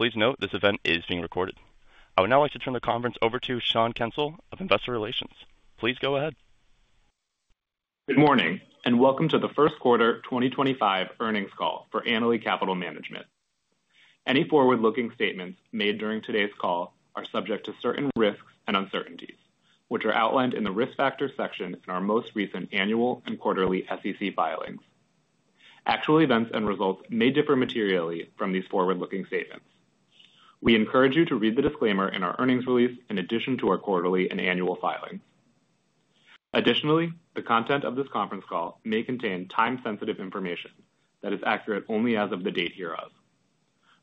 Please note this event is being recorded. I would now like to turn the conference over to Sean Kensil of Investor Relations. Please go ahead. Good morning and welcome to the first quarter 2025 earnings call for Annaly Capital Management. Any forward-looking statements made during today's call are subject to certain risks and uncertainties, which are outlined in the risk factor section in our most recent annual and quarterly SEC filings. Actual events and results may differ materially from these forward-looking statements. We encourage you to read the disclaimer in our earnings release in addition to our quarterly and annual filings. Additionally, the content of this conference call may contain time-sensitive information that is accurate only as of the date hereof.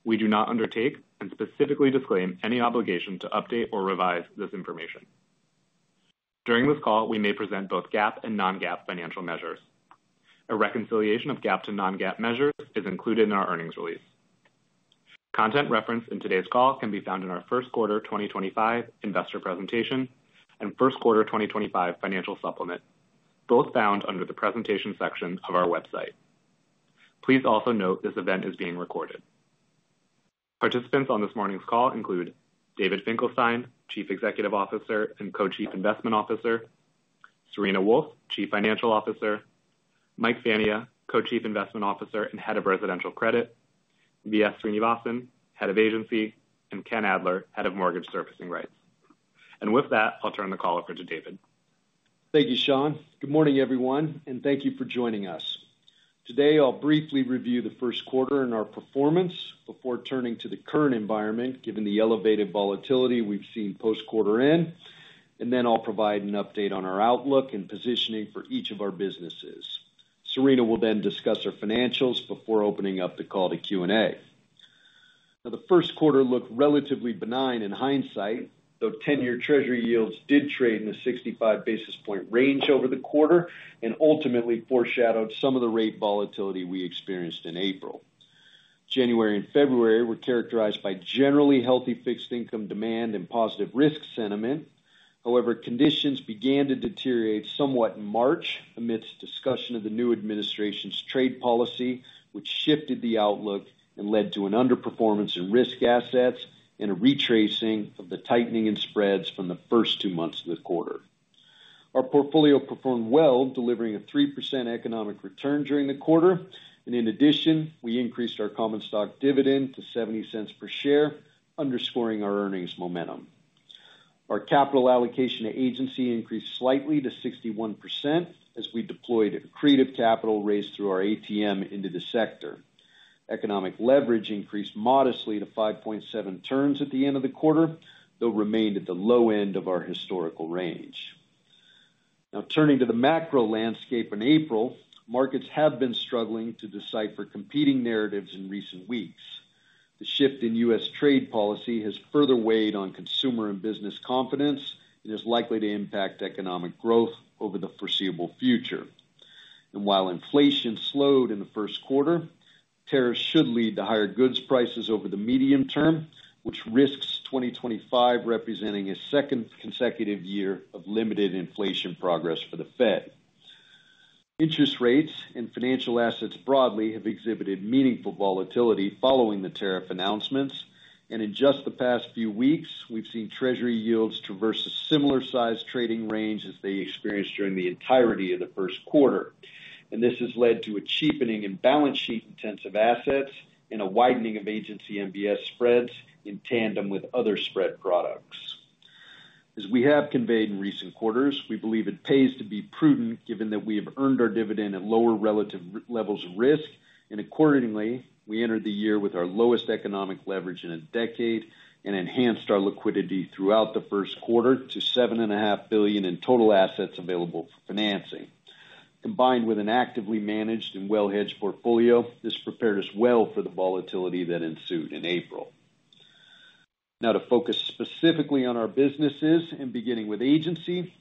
We do not undertake and specifically disclaim any obligation to update or revise this information. During this call, we may present both GAAP and non-GAAP financial measures. A reconciliation of GAAP to non-GAAP measures is included in our earnings release. Content referenced in today's call can be found in our first quarter 2025 investor presentation and first quarter 2025 financial supplement, both found under the presentation section of our website. Please also note this event is being recorded. Participants on this morning's call include David Finkelstein, Chief Executive Officer and Co-Chief Investment Officer; Serena Wolfe, Chief Financial Officer; Mike Fania, Co-Chief Investment Officer and Head of Residential Credit; V.S. Srinivasan, Head of Agency; and Ken Adler, Head of Mortgage Servicing Rights. With that, I'll turn the call over to David. Thank you, Sean. Good morning, everyone, and thank you for joining us. Today, I'll briefly review the first quarter and our performance before turning to the current environment, given the elevated volatility we've seen post-quarter end. I will provide an update on our outlook and positioning for each of our businesses. Serena will then discuss our financials before opening up the call to Q&A. Now, the first quarter looked relatively benign in hindsight, though 10-year Treasury yields did trade in the 65 basis point range over the quarter and ultimately foreshadowed some of the rate volatility we experienced in April. January and February were characterized by generally healthy fixed income demand and positive risk sentiment. However, conditions began to deteriorate somewhat in March amidst discussion of the new administration's trade policy, which shifted the outlook and led to an underperformance in risk assets and a retracing of the tightening in spreads from the first two months of the quarter. Our portfolio performed well, delivering a 3% economic return during the quarter. In addition, we increased our common stock dividend to $0.70 per share, underscoring our earnings momentum. Our capital allocation to Agency increased slightly to 61% as we deployed accretive capital raised through our ATM into the sector. Economic leverage increased modestly to 5.7 turns at the end of the quarter, though remained at the low end of our historical range. Now, turning to the macro landscape in April, markets have been struggling to decipher competing narratives in recent weeks. The shift in U.S. Trade policy has further weighed on consumer and business confidence and is likely to impact economic growth over the foreseeable future. While inflation slowed in the first quarter, tariffs should lead to higher goods prices over the medium term, which risks 2025 representing a second consecutive year of limited inflation progress for the Fed. Interest rates and financial assets broadly have exhibited meaningful volatility following the tariff announcements. In just the past few weeks, we've seen Treasury yields traverse a similar size trading range as they experienced during the entirety of the first quarter. This has led to a cheapening in balance sheet intensive assets and a widening of Agency MBS spreads in tandem with other spread products. As we have conveyed in recent quarters, we believe it pays to be prudent given that we have earned our dividend at lower relative levels of risk. We entered the year with our lowest economic leverage in a decade and enhanced our liquidity throughout the first quarter to $7.5 billion in total assets available for financing. Combined with an actively managed and well-hedged portfolio, this prepared us well for the volatility that ensued in April. Now, to focus specifically on our businesses and beginning with Agency,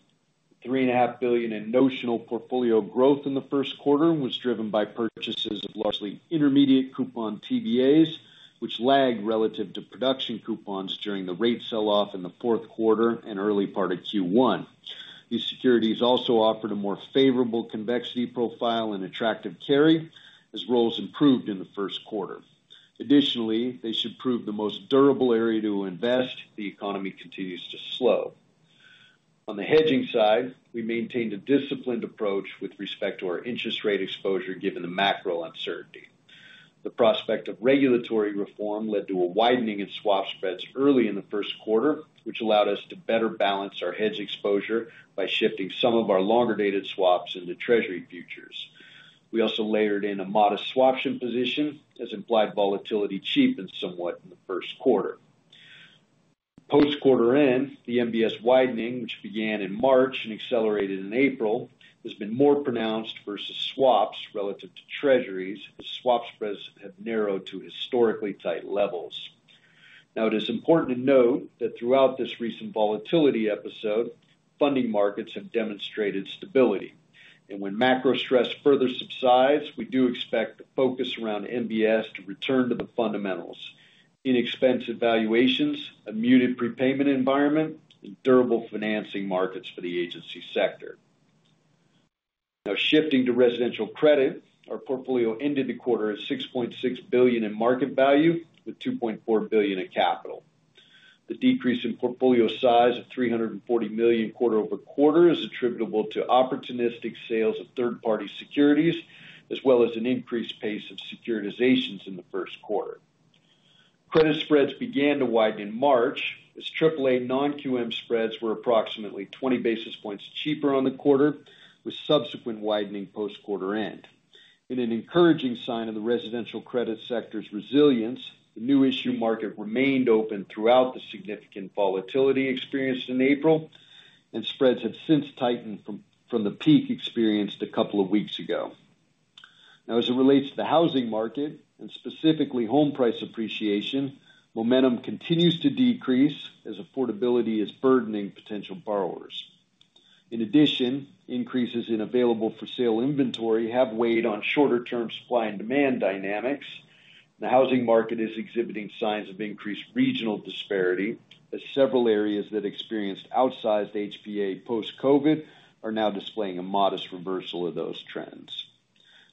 $3.5 billion in notional portfolio growth in the first quarter was driven by purchases of largely intermediate coupon TBAs, which lagged relative to production coupons during the rate sell-off in the fourth quarter and early part of Q1. These securities also offered a more favorable convexity profile and attractive carry as rolls improved in the first quarter. Additionally, they should prove the most durable area to invest if the economy continues to slow. On the hedging side, we maintained a disciplined approach with respect to our interest rate exposure given the macro uncertainty. The prospect of regulatory reform led to a widening in swap spreads early in the first quarter, which allowed us to better balance our hedge exposure by shifting some of our longer-dated swaps into Treasury futures. We also layered in a modest swaption position as implied volatility cheapened somewhat in the first quarter. Post-quarter end, the MBS widening, which began in March and accelerated in April, has been more pronounced versus swaps relative to Treasuries as swap spreads have narrowed to historically tight levels. Now, it is important to note that throughout this recent volatility episode, funding markets have demonstrated stability. When macro stress further subsides, we do expect the focus around MBS to return to the fundamentals: inexpensive valuations, a muted prepayment environment, and durable financing markets for the Agency sector. Now, shifting to residential credit, our portfolio ended the quarter at $6.6 billion in market value with $2.4 billion in capital. The decrease in portfolio size of $340 million quarter over quarter is attributable to opportunistic sales of third-party securities as well as an increased pace of securitizations in the first quarter. Credit spreads began to widen in March as AAA non-QM spreads were approximately 20 basis points cheaper on the quarter, with subsequent widening post-quarter end. In an encouraging sign of the residential credit sector's resilience, the new issue market remained open throughout the significant volatility experienced in April, and spreads have since tightened from the peak experienced a couple of weeks ago. Now, as it relates to the housing market and specifically home price appreciation, momentum continues to decrease as affordability is burdening potential borrowers. In addition, increases in available-for-sale inventory have weighed on shorter-term supply and demand dynamics. The housing market is exhibiting signs of increased regional disparity as several areas that experienced outsized HPA post-COVID are now displaying a modest reversal of those trends.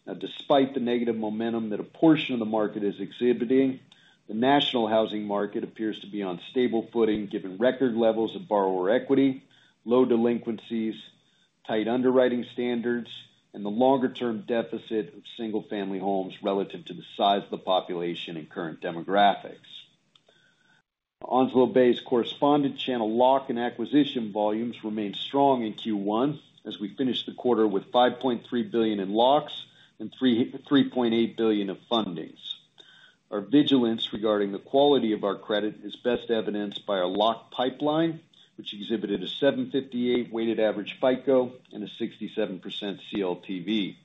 Now, despite the negative momentum that a portion of the market is exhibiting, the national housing market appears to be on stable footing given record levels of borrower equity, low delinquencies, tight underwriting standards, and the longer-term deficit of single-family homes relative to the size of the population and current demographics. Onslow Bay's correspondent channel lock and acquisition volumes remained strong in Q1 as we finished the quarter with $5.3 billion in locks and $3.8 billion of fundings. Our vigilance regarding the quality of our credit is best evidenced by our lock pipeline, which exhibited a 758 weighted average FICO and a 67% CLTV.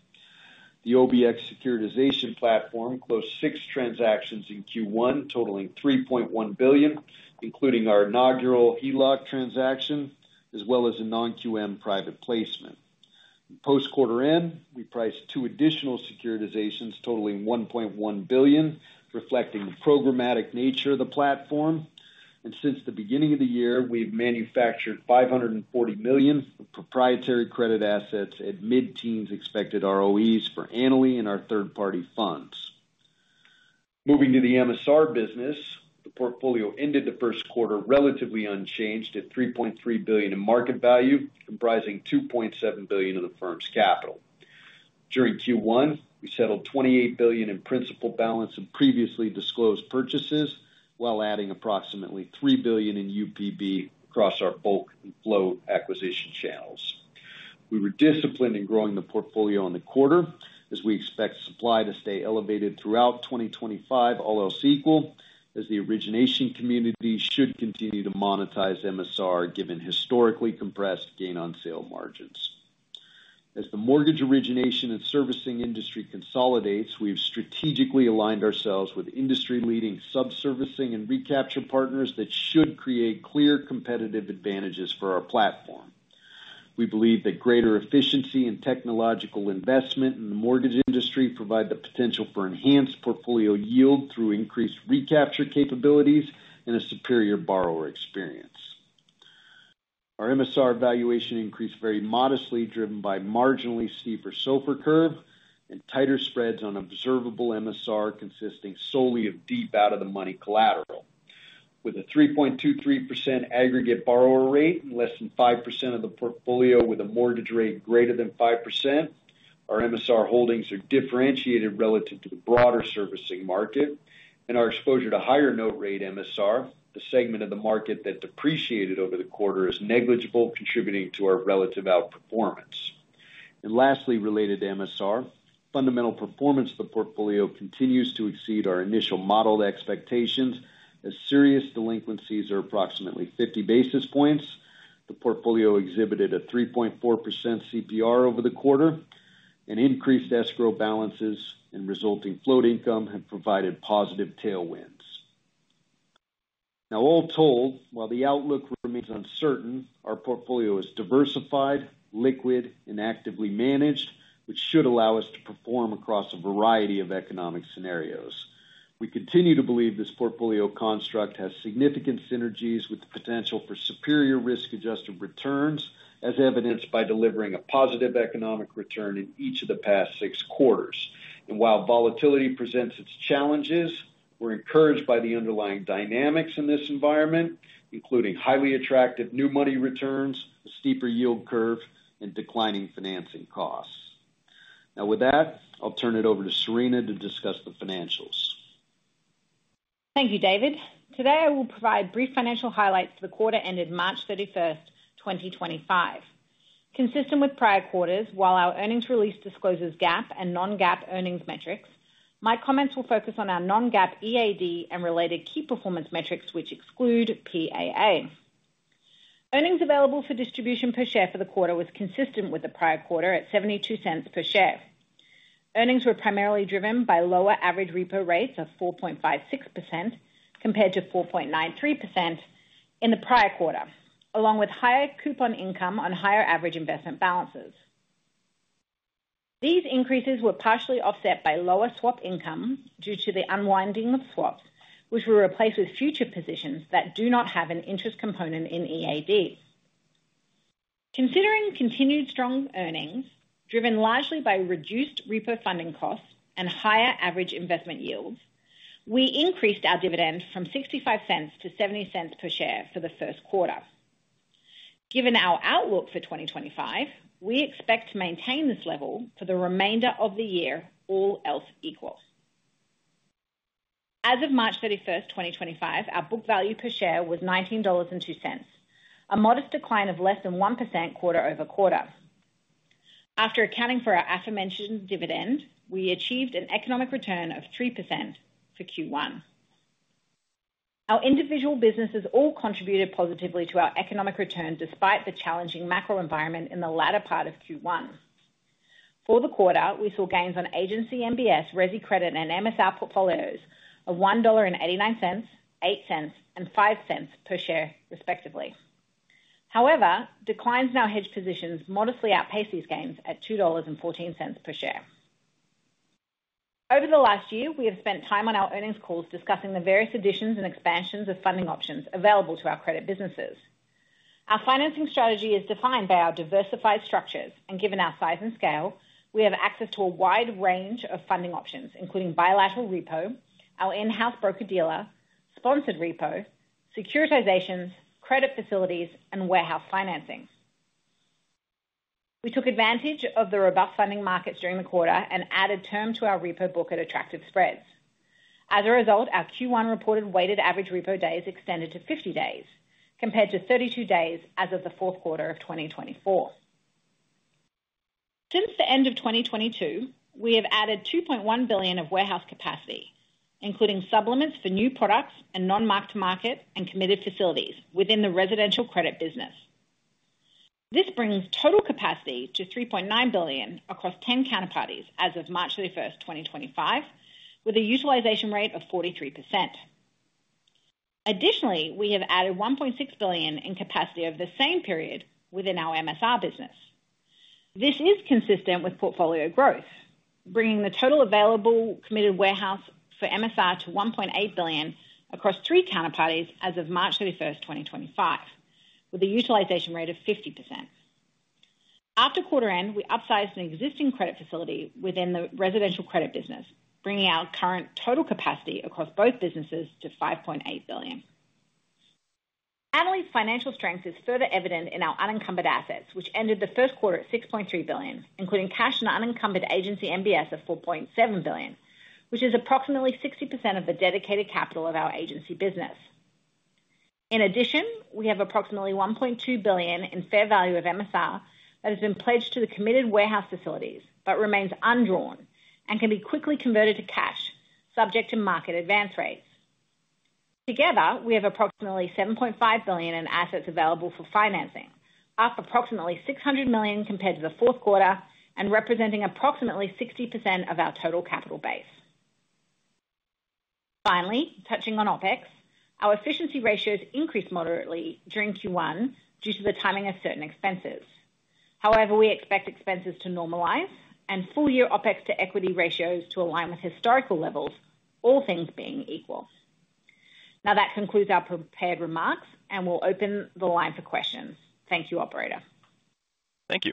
The OBX securitization platform closed six transactions in Q1 totaling $3.1 billion, including our inaugural HELOC transaction as well as a non-QM private placement. Post-quarter end, we priced two additional securitizations totaling $1.1 billion, reflecting the programmatic nature of the platform. Since the beginning of the year, we've manufactured $540 million of proprietary credit assets at mid-teens expected ROEs for Annaly and our third-party funds. Moving to the MSR business, the portfolio ended the first quarter relatively unchanged at $3.3 billion in market value, comprising $2.7 billion of the firm's capital. During Q1, we settled $28 billion in principal balance of previously disclosed purchases while adding approximately $3 billion in UPB across our bulk and flow acquisition channels. We were disciplined in growing the portfolio in the quarter as we expect supply to stay elevated throughout 2025, almost equal as the origination community should continue to monetize MSR given historically compressed gain-on-sale margins. As the mortgage origination and servicing industry consolidates, we've strategically aligned ourselves with industry-leading sub-servicing and recapture partners that should create clear competitive advantages for our platform. We believe that greater efficiency and technological investment in the mortgage industry provide the potential for enhanced portfolio yield through increased recapture capabilities and a superior borrower experience. Our MSR valuation increased very modestly, driven by a marginally steeper SOFR curve and tighter spreads on observable MSR consisting solely of deep out-of-the-money collateral. With a 3.23% aggregate borrower rate and less than 5% of the portfolio with a mortgage rate greater than 5%, our MSR holdings are differentiated relative to the broader servicing market. Our exposure to higher note rate MSR, the segment of the market that depreciated over the quarter, is negligible, contributing to our relative outperformance. Lastly, related to MSR, fundamental performance of the portfolio continues to exceed our initial modeled expectations as serious delinquencies are approximately 50 basis points. The portfolio exhibited a 3.4% CPR over the quarter, and increased escrow balances and resulting float income have provided positive tailwinds. All told, while the outlook remains uncertain, our portfolio is diversified, liquid, and actively managed, which should allow us to perform across a variety of economic scenarios. We continue to believe this portfolio construct has significant synergies with the potential for superior risk-adjusted returns, as evidenced by delivering a positive economic return in each of the past six quarters. While volatility presents its challenges, we're encouraged by the underlying dynamics in this environment, including highly attractive new money returns, a steeper yield curve, and declining financing costs. Now, with that, I'll turn it over to Serena to discuss the financials. Thank you, David. Today, I will provide brief financial highlights for the quarter ended March 31, 2025. Consistent with prior quarters, while our earnings release discloses GAAP and non-GAAP earnings metrics, my comments will focus on our non-GAAP EAD and related key performance metrics, which exclude PAA. Earnings available for distribution per share for the quarter was consistent with the prior quarter at $0.72 per share. Earnings were primarily driven by lower average repo rates of 4.56% compared to 4.93% in the prior quarter, along with higher coupon income on higher average investment balances. These increases were partially offset by lower swap income due to the unwinding of swaps, which were replaced with future positions that do not have an interest component in EAD. Considering continued strong earnings, driven largely by reduced repo funding costs and higher average investment yields, we increased our dividend from $0.65 to $0.70 per share for the first quarter. Given our outlook for 2025, we expect to maintain this level for the remainder of the year, all else equal. As of March 31, 2025, our book value per share was $19.02, a modest decline of less than 1% quarter over quarter. After accounting for our aforementioned dividend, we achieved an economic return of 3% for Q1. Our individual businesses all contributed positively to our economic return despite the challenging macro environment in the latter part of Q1. For the quarter, we saw gains on Agency MBS, Resi Credit, and MSR portfolios of $1.89, $0.08, and $0.05 per share, respectively. However, declines in our hedge positions modestly outpaced these gains at $2.14 per share. Over the last year, we have spent time on our earnings calls discussing the various additions and expansions of funding options available to our credit businesses. Our financing strategy is defined by our diversified structures, and given our size and scale, we have access to a wide range of funding options, including bilateral repo, our in-house broker-dealer, sponsored repo, securitizations, credit facilities, and warehouse financing. We took advantage of the robust funding markets during the quarter and added term to our repo book at attractive spreads. As a result, our Q1 reported weighted average repo days extended to 50 days compared to 32 days as of the fourth quarter of 2024. Since the end of 2022, we have added $2.1 billion of warehouse capacity, including supplements for new products and non-marked-to-market and committed facilities within the residential credit business. This brings total capacity to $3.9 billion across 10 counterparties as of March 31, 2025, with a utilization rate of 43%. Additionally, we have added $1.6 billion in capacity over the same period within our MSR business. This is consistent with portfolio growth, bringing the total available committed warehouse for MSR to $1.8 billion across three counterparties as of March 31, 2025, with a utilization rate of 50%. After quarter end, we upsized an existing credit facility within the residential credit business, bringing our current total capacity across both businesses to $5.8 billion. Annaly's financial strength is further evident in our unencumbered assets, which ended the first quarter at $6.3 billion, including cash and unencumbered Agency MBS of $4.7 billion, which is approximately 60% of the dedicated capital of our Agency business. In addition, we have approximately $1.2 billion in fair value of MSR that has been pledged to the committed warehouse facilities but remains undrawn and can be quickly converted to cash, subject to market advance rates. Together, we have approximately $7.5 billion in assets available for financing, up approximately $600 million compared to the fourth quarter and representing approximately 60% of our total capital base. Finally, touching on OpEx, our efficiency ratios increased moderately during Q1 due to the timing of certain expenses. However, we expect expenses to normalize and full-year OpEx to equity ratios to align with historical levels, all things being equal. Now, that concludes our prepared remarks, and we'll open the line for questions. Thank you, Operator. Thank you.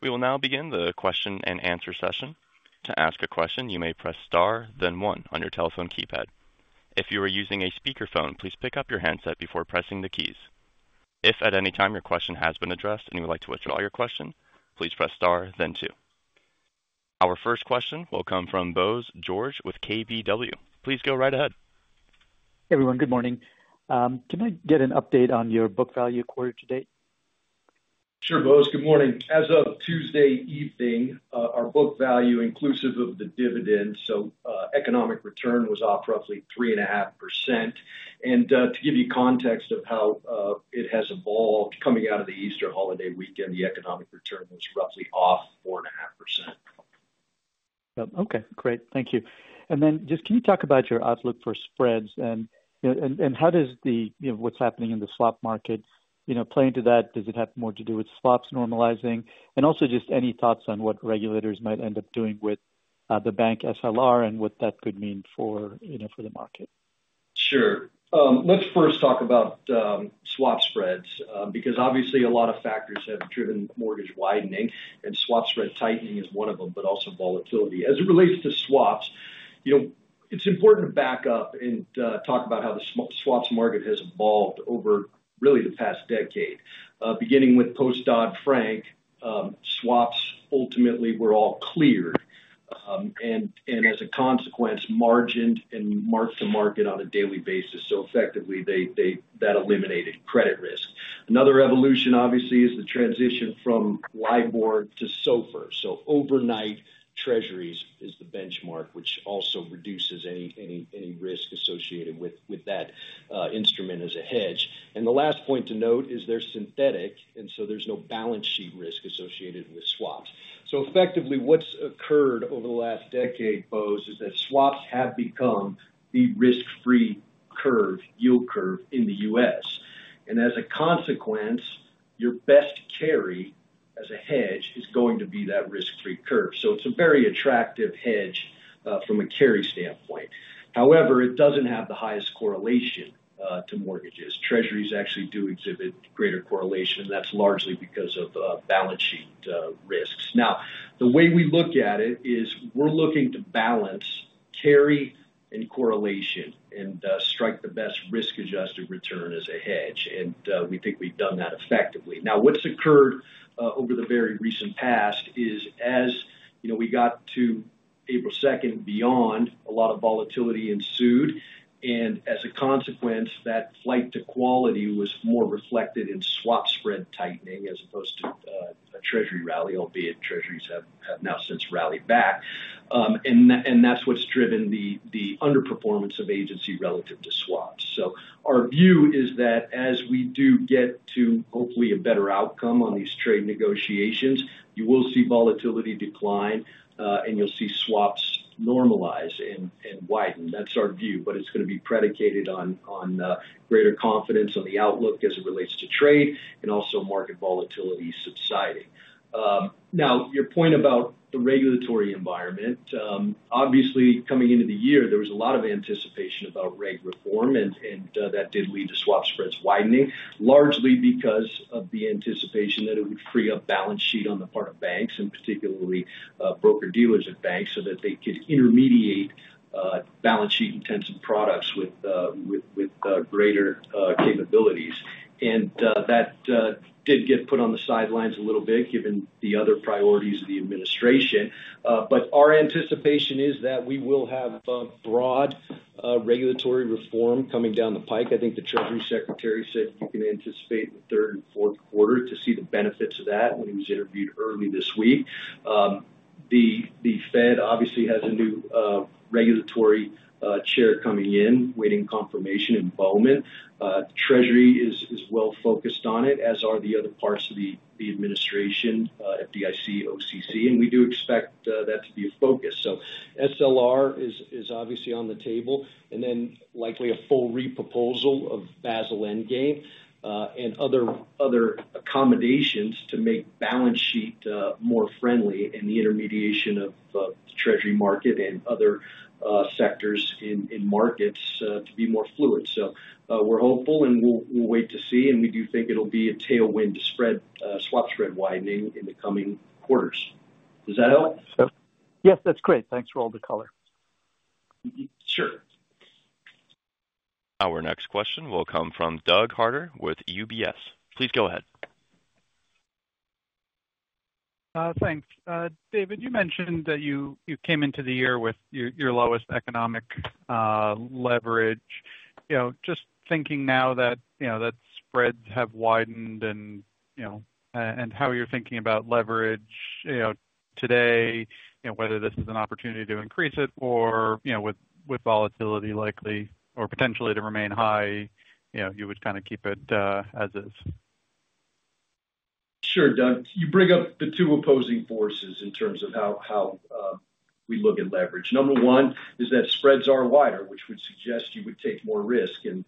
We will now begin the question and answer session. To ask a question, you may press star, then one on your telephone keypad. If you are using a speakerphone, please pick up your handset before pressing the keys. If at any time your question has been addressed and you would like to withdraw your question, please press star, then two. Our first question will come from Bose George with KBW. Please go right ahead. Hey, everyone. Good morning. Can I get an update on your book value quarter to date? Sure, Bose. Good morning. As of Tuesday evening, our book value, inclusive of the dividend, so economic return was off roughly 3.5%. To give you context of how it has evolved coming out of the Easter holiday weekend, the economic return was roughly off 4.5%. Okay. Great. Thank you. Can you talk about your outlook for spreads and how does what's happening in the swap market play into that? Does it have more to do with swaps normalizing? Also, any thoughts on what regulators might end up doing with the bank SLR and what that could mean for the market? Sure. Let's first talk about swap spreads because obviously a lot of factors have driven mortgage widening, and swap spread tightening is one of them, but also volatility. As it relates to swaps, it's important to back up and talk about how the swaps market has evolved over really the past decade. Beginning with post-Dodd-Frank, swaps ultimately were all cleared and, as a consequence, margined and marked to market on a daily basis. Effectively, that eliminated credit risk. Another evolution, obviously, is the transition from LIBOR to SOFR. Overnight treasuries is the benchmark, which also reduces any risk associated with that instrument as a hedge. The last point to note is they're synthetic, and so there's no balance sheet risk associated with swaps. Effectively, what's occurred over the last decade, Bose, is that swaps have become the risk-free curve, yield curve in the U.S. As a consequence, your best carry as a hedge is going to be that risk-free curve. It is a very attractive hedge from a carry standpoint. However, it does not have the highest correlation to mortgages. Treasuries actually do exhibit greater correlation, and that is largely because of balance sheet risks. The way we look at it is we are looking to balance carry and correlation and strike the best risk-adjusted return as a hedge. We think we have done that effectively. What has occurred over the very recent past is, as we got to April 2, beyond, a lot of volatility ensued. As a consequence, that flight to quality was more reflected in swap spread tightening as opposed to a Treasury rally, albeit Treasuries have now since rallied back. That is what has driven the underperformance of Agency relative to swaps. Our view is that as we do get to hopefully a better outcome on these trade negotiations, you will see volatility decline, and you'll see swaps normalize and widen. That's our view, but it's going to be predicated on greater confidence on the outlook as it relates to trade and also market volatility subsiding. Now, your point about the regulatory environment, obviously coming into the year, there was a lot of anticipation about reg reform, and that did lead to swap spreads widening, largely because of the anticipation that it would free up balance sheet on the part of banks, and particularly broker-dealers at banks, so that they could intermediate balance sheet-intensive products with greater capabilities. That did get put on the sidelines a little bit, given the other priorities of the administration. Our anticipation is that we will have broad regulatory reform coming down the pike. I think the Treasury Secretary said you can anticipate the third and fourth quarter to see the benefits of that when he was interviewed early this week. The Fed obviously has a new regulatory chair coming in, waiting confirmation and Bowman. Treasury is well focused on it, as are the other parts of the administration, FDIC, OCC, and we do expect that to be a focus. SLR is obviously on the table, and then likely a full re-proposal of Basel Endgame and other accommodations to make balance sheet more friendly and the intermediation of the Treasury market and other sectors in markets to be more fluid. We are hopeful, and we will wait to see. We do think it will be a tailwind to swap spread widening in the coming quarters. Does that help? Yes, that's great. Thanks for all the color. Sure. Our next question will come from Doug Harter with UBS. Please go ahead. Thanks. David, you mentioned that you came into the year with your lowest economic leverage. Just thinking now that spreads have widened and how you're thinking about leverage today, whether this is an opportunity to increase it or with volatility likely or potentially to remain high, you would kind of keep it as is. Sure, Doug. You bring up the two opposing forces in terms of how we look at leverage. Number one is that spreads are wider, which would suggest you would take more risk and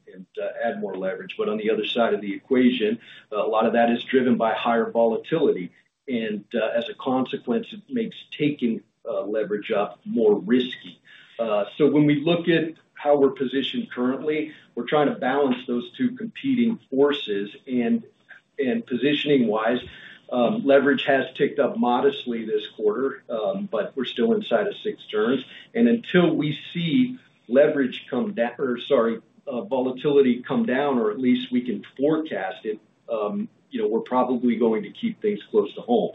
add more leverage. On the other side of the equation, a lot of that is driven by higher volatility. As a consequence, it makes taking leverage up more risky. When we look at how we're positioned currently, we're trying to balance those two competing forces. Positioning-wise, leverage has ticked up modestly this quarter, but we're still inside of six turns. Until we see volatility come down, or at least we can forecast it, we're probably going to keep things close to home.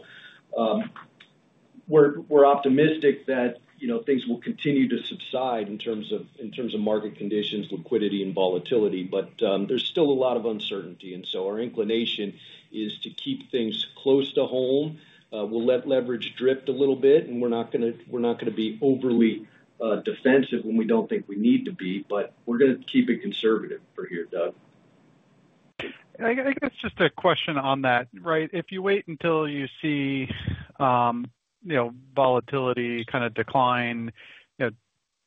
We're optimistic that things will continue to subside in terms of market conditions, liquidity, and volatility. There's still a lot of uncertainty. Our inclination is to keep things close to home. We'll let leverage drift a little bit, and we're not going to be overly defensive when we don't think we need to be, but we're going to keep it conservative for here, Doug. I guess just a question on that, right? If you wait until you see volatility kind of decline,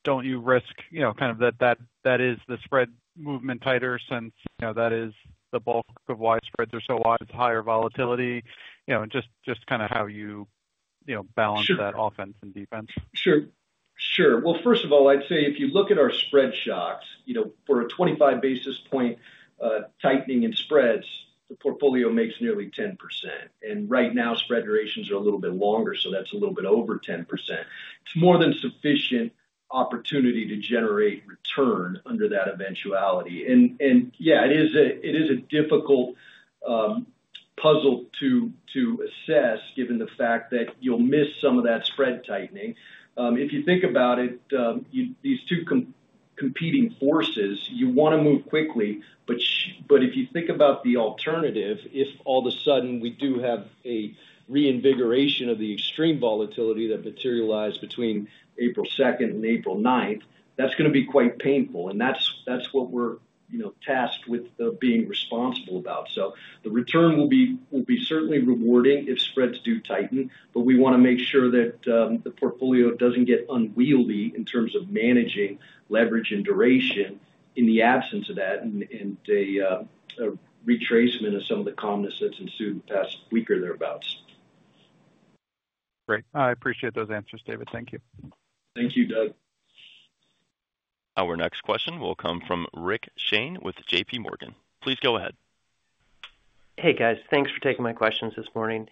do not you risk kind of that that is the spread movement tighter since that is the bulk of why spreads are so wide, higher volatility, just kind of how you balance that offense and defense? Sure. Sure. First of all, I'd say if you look at our spread shocks, for a 25 basis point tightening in spreads, the portfolio makes nearly 10%. Right now, spread durations are a little bit longer, so that's a little bit over 10%. It's more than sufficient opportunity to generate return under that eventuality. Yeah, it is a difficult puzzle to assess given the fact that you'll miss some of that spread tightening. If you think about it, these two competing forces, you want to move quickly. If you think about the alternative, if all of a sudden we do have a reinvigoration of the extreme volatility that materialized between April 2nd and April 9th, that's going to be quite painful. That's what we're tasked with being responsible about. The return will be certainly rewarding if spreads do tighten, but we want to make sure that the portfolio does not get unwieldy in terms of managing leverage and duration in the absence of that and a retracement of some of the calmness that has ensued the past week or thereabouts. Great. I appreciate those answers, David. Thank you. Thank you, Doug. Our next question will come from Richard Shane with JPMorgan. Please go ahead. Hey, guys. Thanks for taking my questions this morning.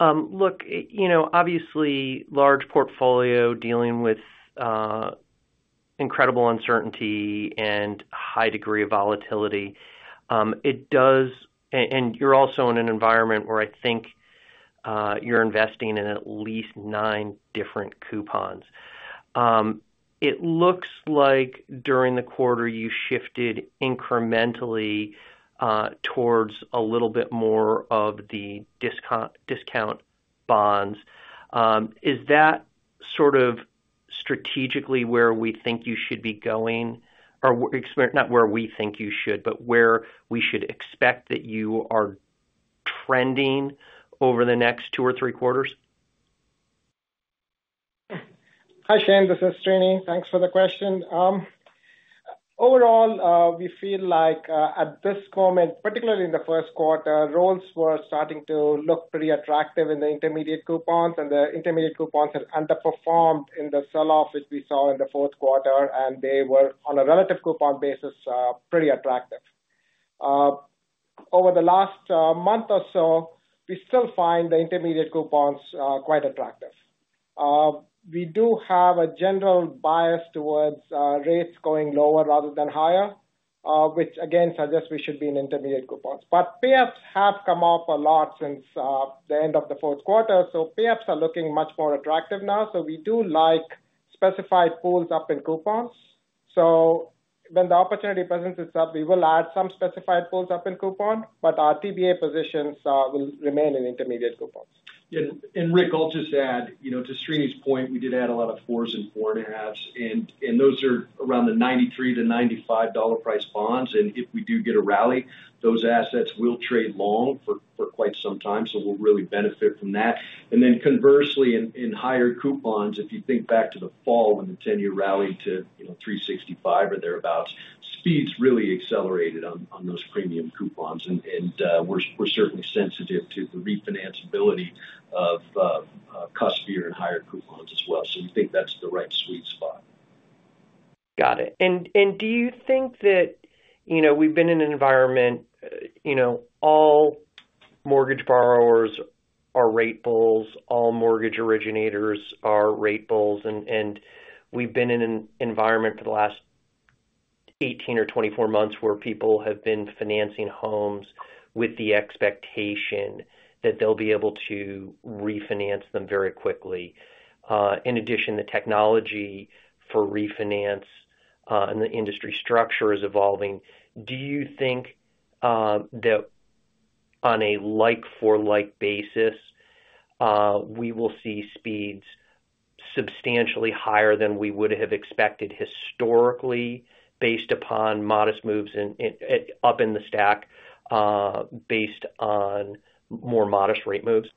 Look, obviously, large portfolio dealing with incredible uncertainty and high degree of volatility. You're also in an environment where I think you're investing in at least nine different coupons. It looks like during the quarter, you shifted incrementally towards a little bit more of the discount bonds. Is that sort of strategically where we think you should be going? Or not where we think you should, but where we should expect that you are trending over the next two or three quarters? Hi, Shane. This is Srini. Thanks for the question. Overall, we feel like at this moment, particularly in the first quarter, roles were starting to look pretty attractive in the intermediate coupons, and the intermediate coupons had underperformed in the sell-off which we saw in the fourth quarter, and they were, on a relative coupon basis, pretty attractive. Over the last month or so, we still find the intermediate coupons quite attractive. We do have a general bias towards rates going lower rather than higher, which again suggests we should be in intermediate coupons. Payouts have come up a lot since the end of the fourth quarter, so pay-ups are looking much more attractive now. We do like specified pools up in coupons. When the opportunity presents itself, we will add some specified pools up in coupon, but our TBA positions will remain in intermediate coupons. Rich, I'll just add to Srini's point, we did add a lot of fours and four and a halves, and those are around the $93-$95 price bonds. If we do get a rally, those assets will trade long for quite some time, so we'll really benefit from that. Conversely, in higher coupons, if you think back to the fall when the 10-year rallied to $365 or thereabouts, speed's really accelerated on those premium coupons. We're certainly sensitive to the refinanceability of cuspy and higher coupons as well. We think that's the right sweet spot. Got it. Do you think that we have been in an environment all mortgage borrowers are rate bulls, all mortgage originators are rate bulls? We have been in an environment for the last 18 or 24 months where people have been financing homes with the expectation that they will be able to refinance them very quickly. In addition, the technology for refinance and the industry structure is evolving. Do you think that on a like-for-like basis, we will see speeds substantially higher than we would have expected historically based upon modest moves up in the stack based on more modest rate moves?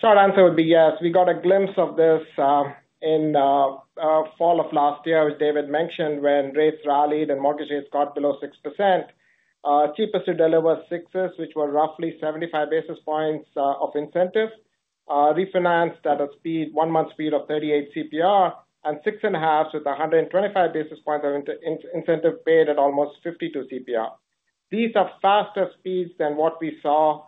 Short answer would be yes. We got a glimpse of this in fall of last year, as David mentioned, when rates rallied and mortgage rates got below 6%. Cheapest to deliver 6s, which were roughly 75 basis points of incentive. Refinanced at a speed, one-month speed of 38 CPR, and six and a halves with 125 basis points of incentive paid at almost 52 CPR. These are faster speeds than what we saw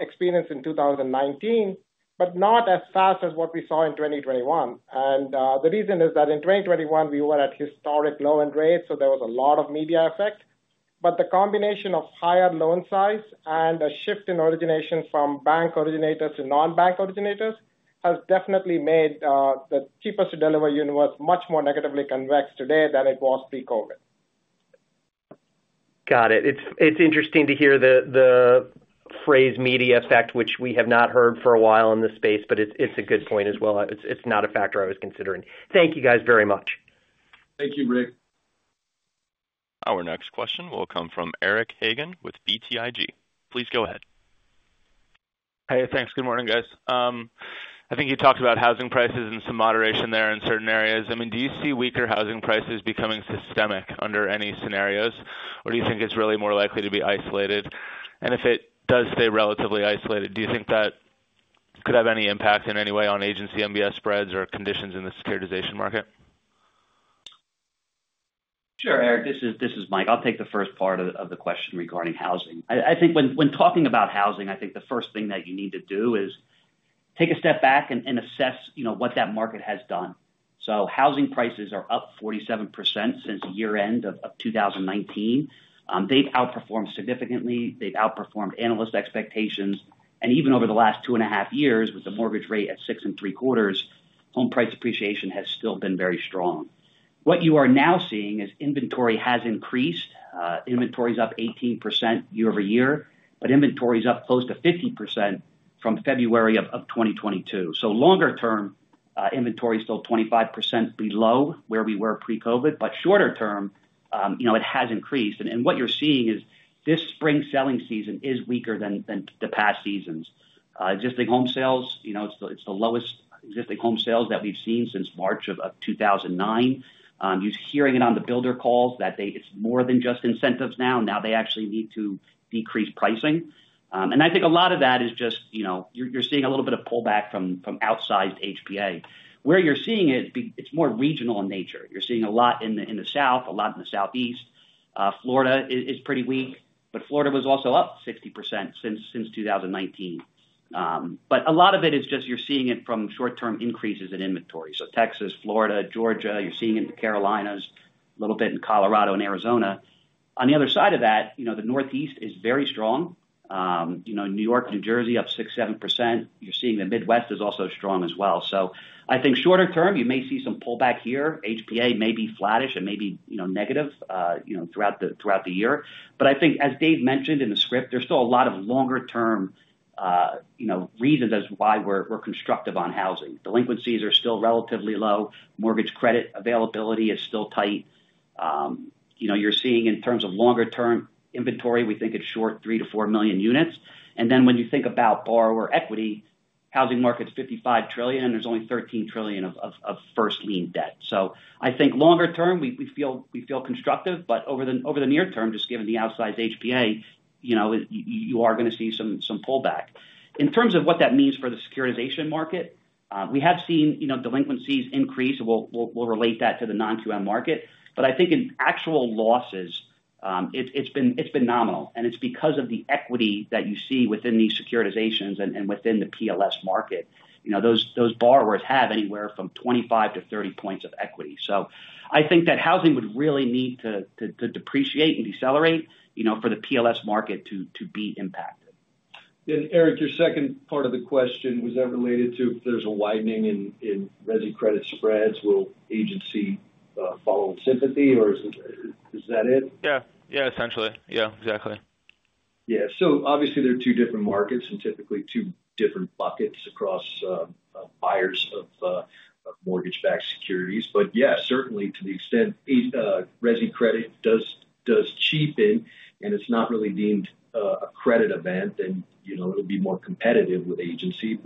experienced in 2019, but not as fast as what we saw in 2021. The reason is that in 2021, we were at historic low-end rates, so there was a lot of media effect. The combination of higher loan size and a shift in origination from bank originators to non-bank originators has definitely made the cheapest to deliver universe much more negatively convex today than it was pre-COVID. Got it. It's interesting to hear the phrase media effect, which we have not heard for a while in this space, but it's a good point as well. It's not a factor I was considering. Thank you, guys, very much. Thank you, Rick. Our next question will come from Eric Hagen with BTIG. Please go ahead. Hey, thanks. Good morning, guys. I think you talked about housing prices and some moderation there in certain areas. I mean, do you see weaker housing prices becoming systemic under any scenarios, or do you think it's really more likely to be isolated? If it does stay relatively isolated, do you think that could have any impact in any way on Agency MBS spreads or conditions in the securitization market? Sure, Eric. This is Mike. I'll take the first part of the question regarding housing. I think when talking about housing, I think the first thing that you need to do is take a step back and assess what that market has done. Housing prices are up 47% since year-end of 2019. They've outperformed significantly. They've outperformed analyst expectations. Even over the last two and a half years, with the mortgage rate at six and three quarters, home price appreciation has still been very strong. What you are now seeing is inventory has increased. Inventory's up 18% year over year, but inventory's up close to 50% from February of 2022. Longer-term, inventory's still 25% below where we were pre-COVID, but shorter-term, it has increased. What you're seeing is this spring selling season is weaker than the past seasons. Existing home sales, it's the lowest existing home sales that we've seen since March of 2009. You're hearing it on the builder calls that it's more than just incentives now. Now they actually need to decrease pricing. I think a lot of that is just you're seeing a little bit of pullback from outsized HPA. Where you're seeing it, it's more regional in nature. You're seeing a lot in the South, a lot in the Southeast. Florida is pretty weak, but Florida was also up 60% since 2019. A lot of it is just you're seeing it from short-term increases in inventory. Texas, Florida, Georgia, you're seeing it in the Carolinas, a little bit in Colorado and Arizona. On the other side of that, the Northeast is very strong. New York, New Jersey, up 6-7%. You're seeing the Midwest is also strong as well. I think shorter-term, you may see some pullback here. HPA may be flattish and maybe negative throughout the year. I think, as Dave mentioned in the script, there's still a lot of longer-term reasons as to why we're constructive on housing. Delinquencies are still relatively low. Mortgage credit availability is still tight. You're seeing in terms of longer-term inventory, we think it's short 3-4 million units. When you think about borrower equity, housing market's $55 trillion, and there's only $13 trillion of first-line debt. I think longer-term, we feel constructive, but over the near term, just given the outsized HPA, you are going to see some pullback. In terms of what that means for the securitization market, we have seen delinquencies increase. We'll relate that to the non-QM market. I think in actual losses, it's been nominal. It is because of the equity that you see within these securitizations and within the PLS market. Those borrowers have anywhere from 25-30 points of equity. I think that housing would really need to depreciate and decelerate for the PLS market to be impacted. Eric, your second part of the question was that related to if there's a widening in Resi Credit spreads, will Agency follow sympathy, or is that it? Yeah. Yeah, essentially. Yeah, exactly. Yeah. Obviously, there are two different markets and typically two different buckets across buyers of mortgage-backed securities. Certainly, to the extent Resi Credit does cheapen and it's not really deemed a credit event, then it'll be more competitive with Agency.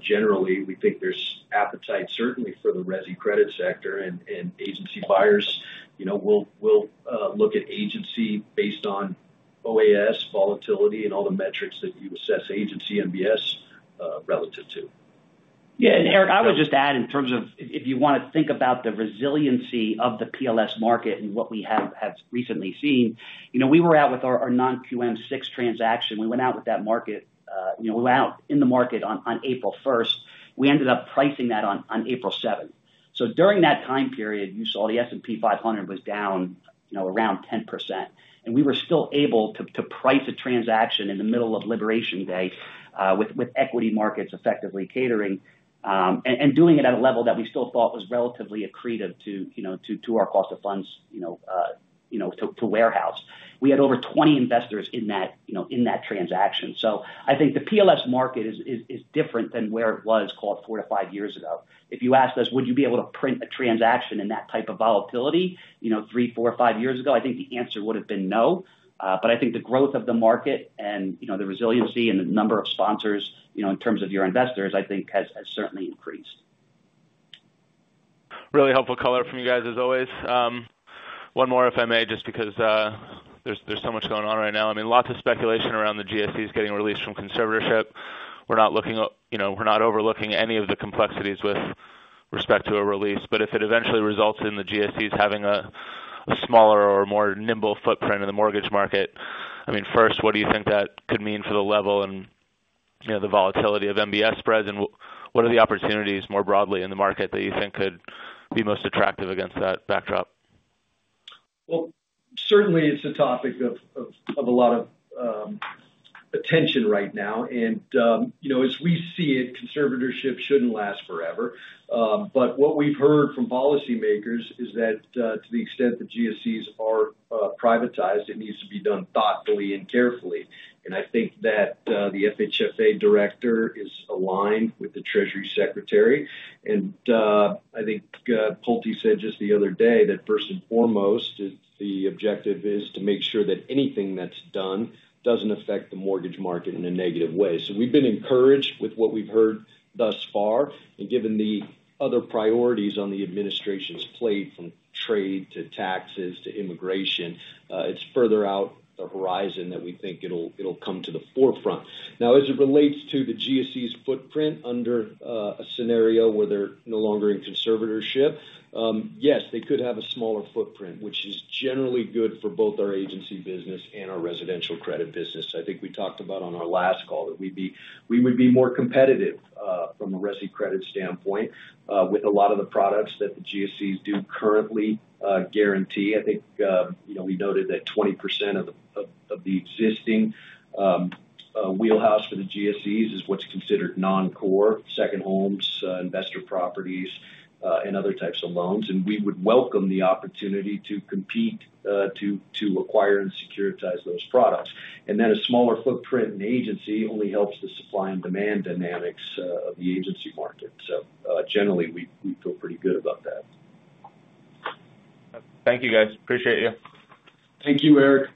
Generally, we think there's appetite certainly for the Resi Credit sector, and Agency buyers will look at Agency based on OAS, volatility, and all the metrics that you assess Agency MBS relative to. Yeah. Eric, I would just add in terms of if you want to think about the resiliency of the PLS market and what we have recently seen, we were out with our Non-QM 6 transaction. We went out with that market. We were out in the market on April 1. We ended up pricing that on April 7. During that time period, you saw the S&P 500 was down around 10%. We were still able to price a transaction in the middle of liquidation with equity markets effectively cratering and doing it at a level that we still thought was relatively accretive to our cost of funds to warehouse. We had over 20 investors in that transaction. I think the PLS market is different than where it was called four to five years ago. If you asked us, "Would you be able to print a transaction in that type of volatility three, four, five years ago?" I think the answer would have been no. I think the growth of the market and the resiliency and the number of sponsors in terms of your investors, I think, has certainly increased. Really helpful color from you guys, as always. One more, if I may, just because there's so much going on right now. I mean, lots of speculation around the GSEs getting released from conservatorship. We're not looking at, we're not overlooking any of the complexities with respect to a release. If it eventually results in the GSEs having a smaller or more nimble footprint in the mortgage market, I mean, first, what do you think that could mean for the level and the volatility of MBS spreads? What are the opportunities more broadly in the market that you think could be most attractive against that backdrop? It is certainly a topic of a lot of attention right now. As we see it, conservatorship should not last forever. What we have heard from policymakers is that to the extent the GSEs are privatized, it needs to be done thoughtfully and carefully. I think that the FHFA Director is aligned with the Treasury Secretary. I think Pulte said just the other day that first and foremost, the objective is to make sure that anything that is done does not affect the mortgage market in a negative way. We have been encouraged with what we have heard thus far. Given the other priorities on the administration's plate from trade to taxes to immigration, it is further out the horizon that we think it will come to the forefront. Now, as it relates to the GSE's footprint under a scenario where they're no longer in conservatorship, yes, they could have a smaller footprint, which is generally good for both our Agency business and our residential credit business. I think we talked about on our last call that we would be more competitive from a Resi Credit standpoint with a lot of the products that the GSEs do currently guarantee. I think we noted that 20% of the existing wheelhouse for the GSEs is what's considered non-core, second homes, investor properties, and other types of loans. We would welcome the opportunity to compete to acquire and securitize those products. A smaller footprint in Agency only helps the supply and demand dynamics of the Agency market. Generally, we feel pretty good about that. Thank you, guys. Appreciate you. Thank you, Eric.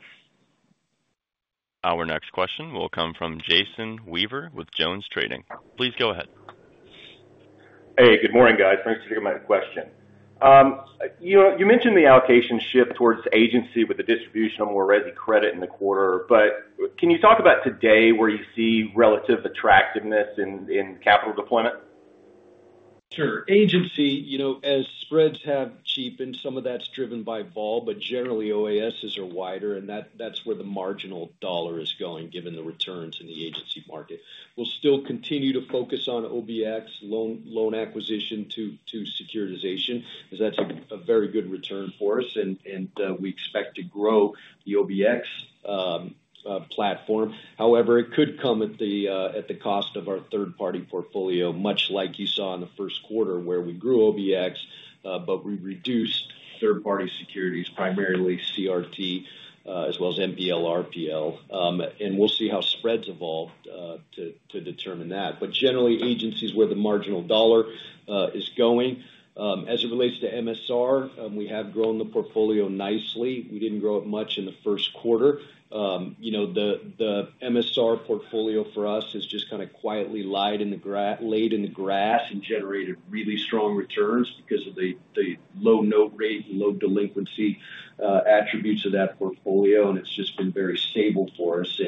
Our next question will come from Jason Weaver with Jones Trading. Please go ahead. Hey, good morning, guys. Thanks for taking my question. You mentioned the allocation shift towards Agency with the distribution of more Resi Credit in the quarter, but can you talk about today where you see relative attractiveness in capital deployment? Sure. Agency, as spreads have cheapened, some of that's driven by vol, but generally, OASes are wider, and that's where the marginal dollar is going given the returns in the Agency market. We'll still continue to focus on OBX loan acquisition to securitization because that's a very good return for us, and we expect to grow the OBX platform. However, it could come at the cost of our third-party portfolio, much like you saw in the first quarter where we grew OBX, but we reduced third-party securities, primarily CRT as well as NPL, RPL. We'll see how spreads evolve to determine that. Generally, Agency is where the marginal dollar is going. As it relates to MSR, we have grown the portfolio nicely. We didn't grow it much in the first quarter. The MSR portfolio for us has just kind of quietly laid in the grass and generated really strong returns because of the low note rate and low delinquency attributes of that portfolio. It has just been very stable for us.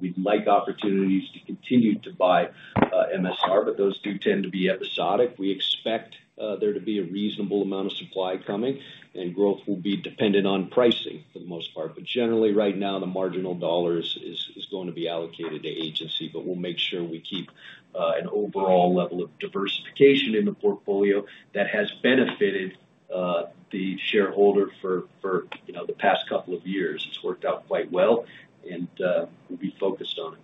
We would like opportunities to continue to buy MSR, but those do tend to be episodic. We expect there to be a reasonable amount of supply coming, and growth will be dependent on pricing for the most part. Generally, right now, the marginal dollar is going to be allocated to Agency, but we will make sure we keep an overall level of diversification in the portfolio that has benefited the shareholder for the past couple of years. It has worked out quite well, and we will be focused on it.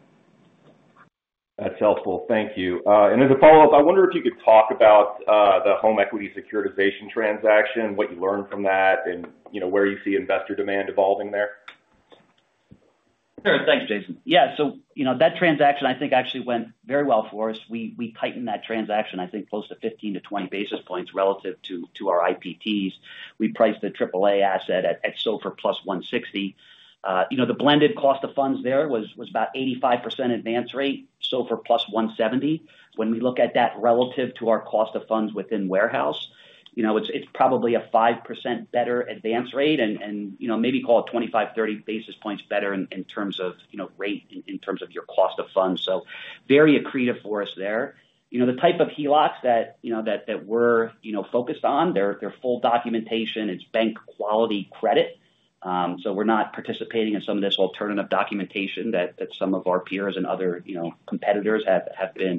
That's helpful. Thank you. As a follow-up, I wonder if you could talk about the home equity securitization transaction, what you learned from that, and where you see investor demand evolving there. Sure. Thanks, Jason. Yeah. That transaction, I think, actually went very well for us. We tightened that transaction, I think, close to 15-20 basis points relative to our IPTs. We priced the AAA asset at SOFR plus 160. The blended cost of funds there was about 85% advance rate, SOFR plus 170. When we look at that relative to our cost of funds within warehouse, it's probably a 5% better advance rate and maybe call it 25-30 basis points better in terms of rate in terms of your cost of funds. Very accretive for us there. The type of HELOCs that we're focused on, they're full documentation, it's bank-quality credit. We're not participating in some of this alternative documentation that some of our peers and other competitors have been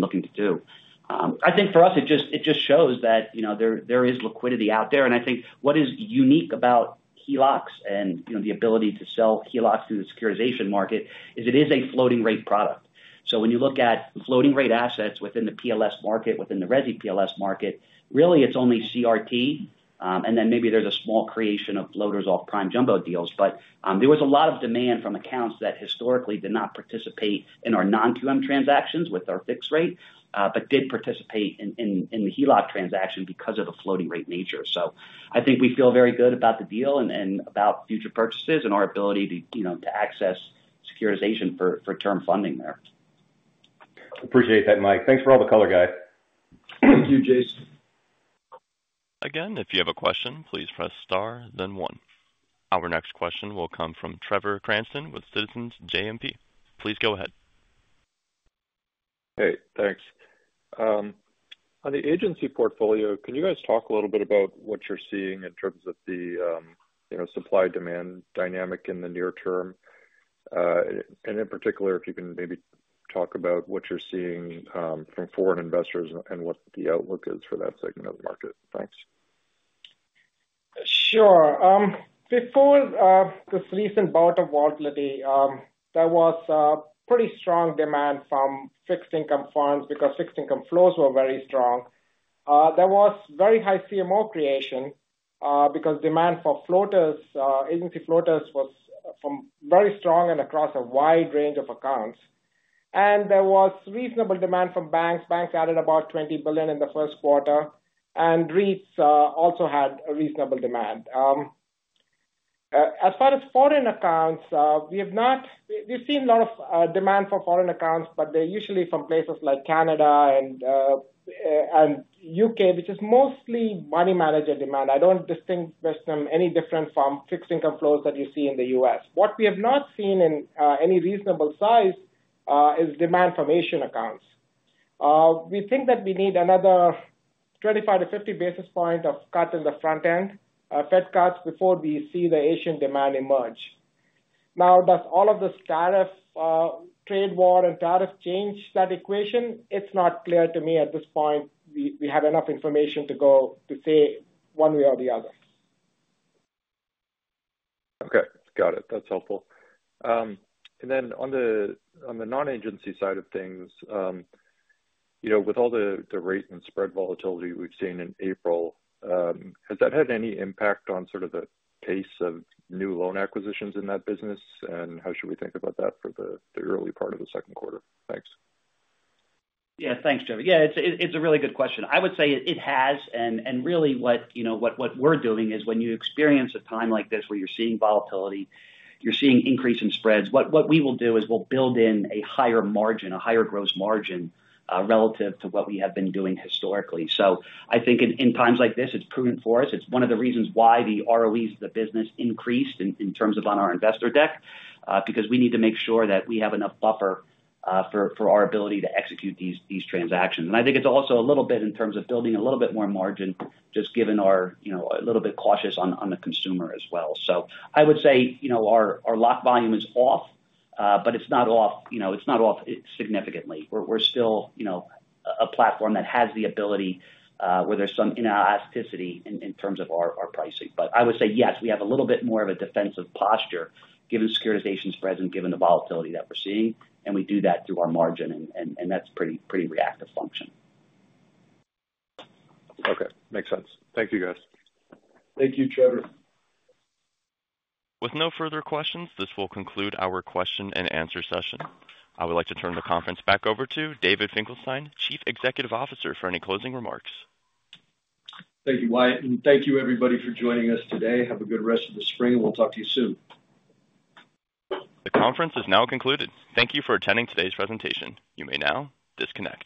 looking to do. I think for us, it just shows that there is liquidity out there. I think what is unique about HELOCs and the ability to sell HELOCs through the securitization market is it is a floating-rate product. When you look at floating-rate assets within the PLS market, within the Resi PLS market, really, it's only CRT. Maybe there's a small creation of floaters off prime jumbo deals. There was a lot of demand from accounts that historically did not participate in our non-QM transactions with our fixed rate, but did participate in the HELOC transaction because of the floating-rate nature. I think we feel very good about the deal and about future purchases and our ability to access securitization for term funding there. Appreciate that, Mike. Thanks for all the color, guys. Thank you, Jason. Again, if you have a question, please press star, then one. Our next question will come from Trevor Cranston with Citizens JMP. Please go ahead. Hey, thanks. On the Agency portfolio, can you guys talk a little bit about what you're seeing in terms of the supply-demand dynamic in the near term? In particular, if you can maybe talk about what you're seeing from foreign investors and what the outlook is for that segment of the market. Thanks. Sure. Before this recent bout of volatility, there was pretty strong demand from fixed-income funds because fixed-income flows were very strong. There was very high CMO creation because demand for floaters, Agency floaters, was very strong and across a wide range of accounts. There was reasonable demand from banks. Banks added about $20 billion in the first quarter, and REITs also had reasonable demand. As far as foreign accounts, we've seen a lot of demand for foreign accounts, but they're usually from places like Canada and the U.K., which is mostly money-manager demand. I don't distinguish them any different from fixed-income flows that you see in the U.S. What we have not seen in any reasonable size is demand from Asian accounts. We think that we need another 25-50 basis points of cut in the front end, Fed cuts, before we see the Asian demand emerge. Now, does all of this tariff trade war and tariff change that equation? It's not clear to me at this point. We have enough information to go to say one way or the other. Okay. Got it. That's helpful. On the non-Agency side of things, with all the rate and spread volatility we've seen in April, has that had any impact on sort of the pace of new loan acquisitions in that business? How should we think about that for the early part of the second quarter? Thanks. Yeah. Thanks, Trevor. Yeah, it's a really good question. I would say it has. Really, what we're doing is when you experience a time like this where you're seeing volatility, you're seeing increase in spreads, what we will do is we'll build in a higher margin, a higher gross margin relative to what we have been doing historically. I think in times like this, it's prudent for us. It's one of the reasons why the ROEs of the business increased in terms of on our investor deck because we need to make sure that we have enough buffer for our ability to execute these transactions. I think it's also a little bit in terms of building a little bit more margin just given our a little bit cautious on the consumer as well. I would say our lock volume is off, but it's not off significantly. We're still a platform that has the ability where there's some inelasticity in terms of our pricing. I would say, yes, we have a little bit more of a defensive posture given securitization spreads and given the volatility that we're seeing. We do that through our margin, and that's a pretty reactive function. Okay. Makes sense. Thank you, guys. Thank you, Trevor. With no further questions, this will conclude our question-and-answer session. I would like to turn the conference back over to David Finkelstein, Chief Executive Officer, for any closing remarks. Thank you, Wyatt. Thank you, everybody, for joining us today. Have a good rest of the spring, and we'll talk to you soon. The conference is now concluded. Thank you for attending today's presentation. You may now disconnect.